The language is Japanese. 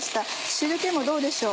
汁気もどうでしょう？